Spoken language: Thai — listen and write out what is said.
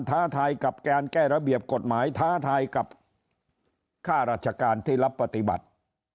ท้าทายกับการแก้ระเบียบกฎหมายท้าทายกับค่าราชการที่รับปฏิบัติ